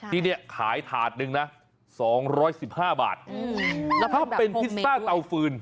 ที่เนี้ยขายถาดหนึ่งน่ะสองร้อยสิบห้าบาทอืมแล้วถ้าเป็นพิซซ่าเตาฟืน